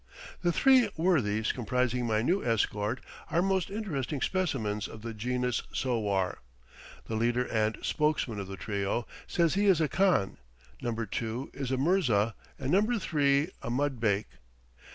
The three worthies comprising my new escort are most interesting specimens of the genus sowar; the leader and spokesman of the trio says he is a khan; number two is a mirza, and number three a mudbake.